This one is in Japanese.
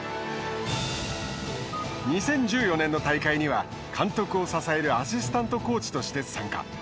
２０１４年の大会には監督を支えるアシスタントコーチとして参加。